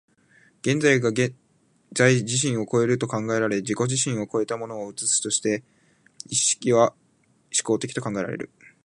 現在が現在自身を越えると考えられ、自己自身を越えたものを映すとして、意識は志向的と考えられる。